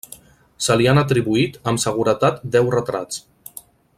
Se li han atribuït amb seguretat deu retrats.